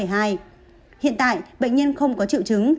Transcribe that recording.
hiện tại bệnh nhân không có triệu chứng